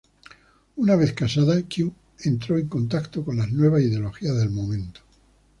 Una vez casada, Qiu entró en contacto con las nuevas ideologías del momento.